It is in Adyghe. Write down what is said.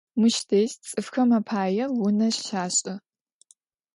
Mış dej ts'ıfxem apaê vune şaş'ı.